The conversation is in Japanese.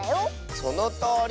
そのとおり！